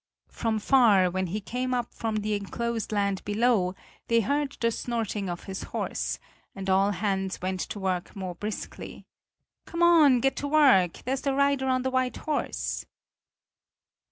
From far, when he came up from the enclosed land below, they heard the snorting of his horse, and all hands went to work more briskly. "Come on, get to work! There's the rider on the white horse!"